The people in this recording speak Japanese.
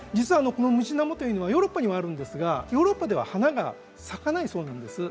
ムジナモというのはヨーロッパにもあるんですがヨーロッパでは花が咲かないそうなんです。